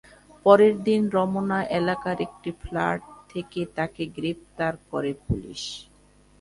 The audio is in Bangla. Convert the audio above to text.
পরের দিন রমনা এলাকার একটি ফ্ল্যাট থেকে তাঁকে গ্রেপ্তার করে পুলিশ।